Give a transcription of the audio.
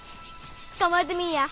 捕まえてみいや。